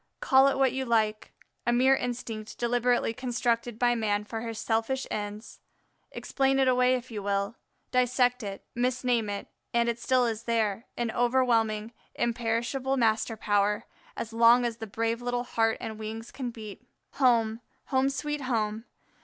Call it what you like, a mere instinct deliberately constructed by man for his selfish ends, explain it away if you will, dissect it, misname it, and it still is there, in overwhelming, imperishable master power, as long as the brave little heart and wings can beat. Home, home, sweet home!